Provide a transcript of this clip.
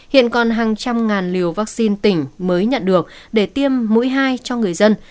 hiện còn hàng trăm ngàn liều vaccine tỉnh mới nhận được để tiêm mũi hai cho người dân